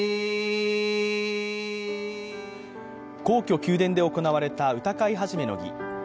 皇居・宮殿で行われた歌会始の儀。